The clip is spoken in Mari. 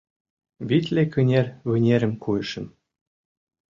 Витле кынер вынерым куышым: